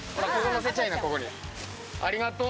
ありがとう。